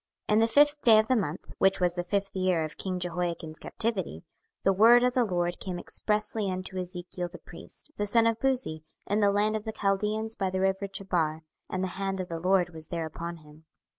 26:001:002 In the fifth day of the month, which was the fifth year of king Jehoiachin's captivity, 26:001:003 The word of the LORD came expressly unto Ezekiel the priest, the son of Buzi, in the land of the Chaldeans by the river Chebar; and the hand of the LORD was there upon him.